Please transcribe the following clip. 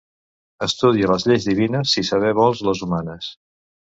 Estudia les lleis divines si saber vols les humanes.